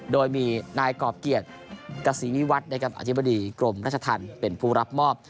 โดยมีนายกรอบเกียรติกษีวิวัตรนะครับอธิบดีกรมราชธรรมเป็นผู้รับมอบ